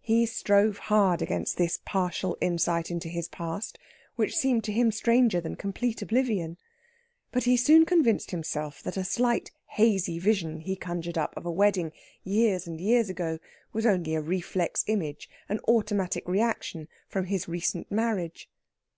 He strove hard against this partial insight into his past, which seemed to him stranger than complete oblivion. But he soon convinced himself that a slight hazy vision he conjured up of a wedding years and years ago was only a reflex image an automatic reaction from his recent marriage.